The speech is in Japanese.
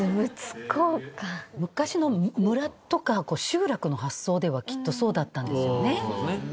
昔の村とか集落の発想ではきっとそうだったんでしょうね。